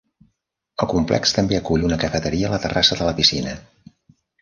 El complex també acull una cafeteria a la terrassa de la piscina.